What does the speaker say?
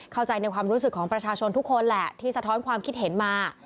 เข้าใจในความรู้สึกของประชาชนทุกคนแหละที่สะท้อนความคิดเห็นมา